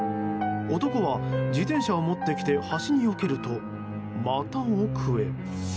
男は自転車を持ってきて端によけると、また奥へ。